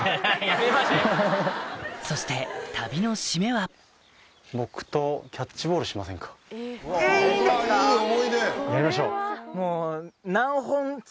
そして旅の締めはワオ！